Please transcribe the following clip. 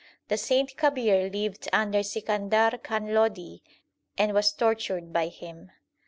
The saint Kabir lived under Sikandar Khan Lodi, and was tortured by him.